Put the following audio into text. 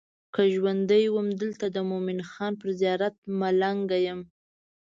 که ژوندی وم دلته د مومن خان پر زیارت ملنګه یم.